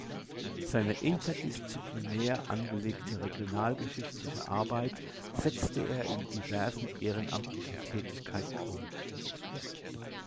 Seine interdisziplinär angelegte regionalgeschichtliche Arbeit setzte er in diversen ehrenamtlichen Tätigkeiten um.